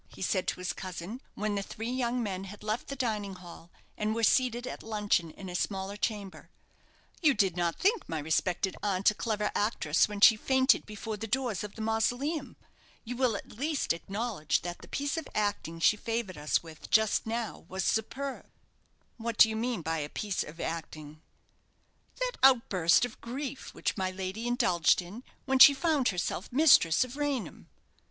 he said to his cousin, when the three young men had left the dining hall, and were seated at luncheon in a smaller chamber. "You did not think my respected aunt a clever actress when she fainted before the doors of the mausoleum. You will at least acknowledge that the piece of acting she favoured us with just now was superb." "What do you mean by 'a piece of acting'?" "That outburst of grief which my lady indulged in, when she found herself mistress of Raynham."